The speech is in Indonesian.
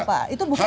saya tahu pak